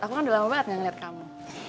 aku kan udah lama banget gak ngeliat kamu